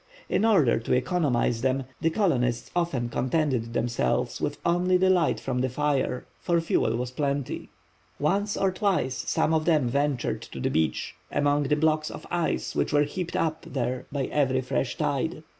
In order to economize them, the colonists often contented themselves with only the light from the fire; for fuel was plenty. Once or twice some of them ventured to the beach, among the blocks of ice which were heaped up there by every fresh tide.